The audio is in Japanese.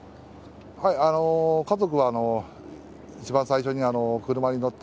家族は一番最初に車に乗って、